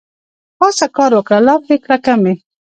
پاڅه کار وکړه لافې کړه کمې